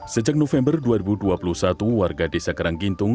sejak november dua ribu dua puluh satu warga desa karanggintung